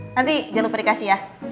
nanti jangan lupa dikasih ya